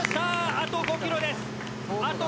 あと５ｋｍです。